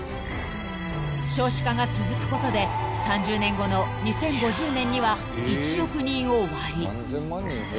［少子化が続くことで３０年後の２０５０年には１億人を割り］